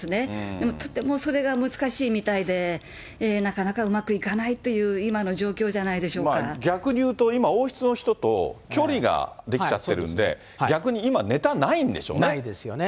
でもとてもそれが難しいみたいで、なかなかうまくいかないという今まあ、逆に言うと今、王室の人と距離が出来ちゃってるんで、逆に今、ないですよね。